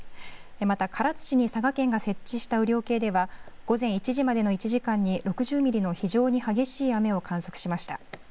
また唐津市に佐賀県が設置した雨量計には、午前１時までの１時間に６０ミリの非常に激しい雨を観測しました。